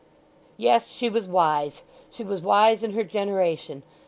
"Yes, she was wise, she was wise in her generation!"